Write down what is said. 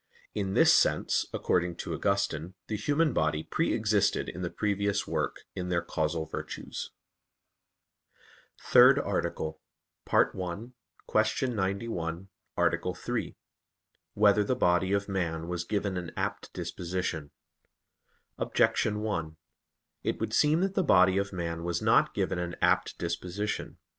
In this sense, according to Augustine, the human body pre existed in the previous work in their causal virtues. _______________________ THIRD ARTICLE [I, Q. 91, Art. 3] Whether the Body of Man Was Given an Apt Disposition? Objection 1: It would seem that the body of man was not given an apt disposition.